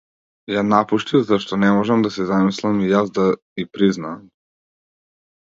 Ја напуштив зашто не можев да си замислам и јас да и признаам.